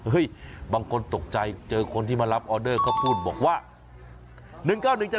บางคนตกใจเจอคนที่มารับออเดอร์เขาพูดบอกว่า